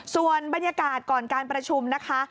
ส่วนบรรยากาศก่อนการประชุมนะคะ